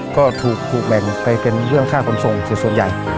ก็ถูกแบ่งไว้เป็นค่าคนทรงส่วนใหญ่